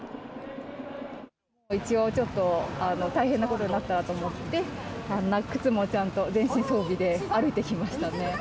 一応ちょっと、大変なことになったらと思って、靴もちゃんと、全身装備で歩いてきましたね。